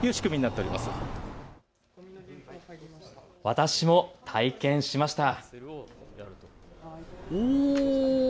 私も体験しました。